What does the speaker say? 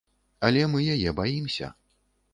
Але мы яе баімся.